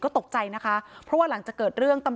ตกใจนะคะเพราะว่าหลังจากเกิดเรื่อง